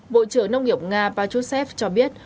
bộ trưởng nông nghiệp nga patrushev cho biết